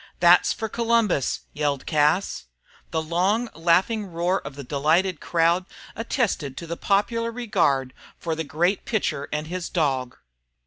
"That's for Columbus!" yelled Cas. The long laughing roar of the delighted crowd attested to the popular regard for the great pitcher and his dog.